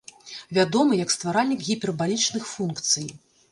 Вядомы як стваральнік гіпербалічных функцый.